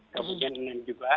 kemudian nen juga